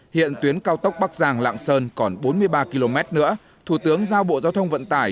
hiện tuyến cao tốc bắc giang lạng sơn còn bốn mươi ba km nữa thủ tướng giao bộ giao thông vận tải